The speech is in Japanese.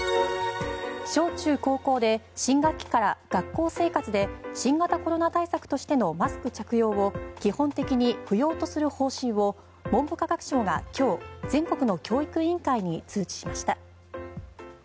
小中高校で新学期から学校生活で新型コロナ対策としてのマスク着用を基本的に不要とする方針を文部科学省が今日全国の教育委員会に通知しました。